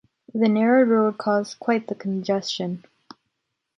The narrowed road caused quite the congestion.